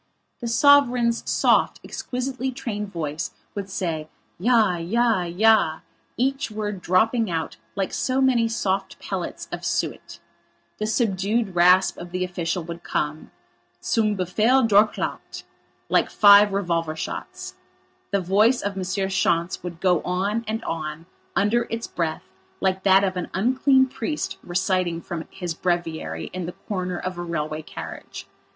The sovereign's soft, exquisitely trained voice would say, "Ja, ja, ja!" each word dropping out like so many soft pellets of suet; the subdued rasp of the official would come: "Zum Befehl Durchlaucht," like five revolver shots; the voice of M. Schontz would go on and on under its breath like that of an unclean priest reciting from his breviary in the corner of a railway carriage.